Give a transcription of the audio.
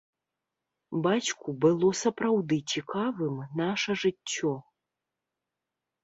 Бацьку было сапраўды цікавым наша жыццё.